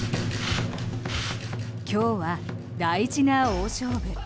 今日は大事な大勝負。